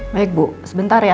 baik bu sebentar ya